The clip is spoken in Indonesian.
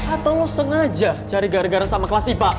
atau lu sengaja cari gara gara sama kelas ipa